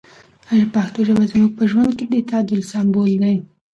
پښتو ژبه زموږ په ژوند کې د تعادل سمبول دی.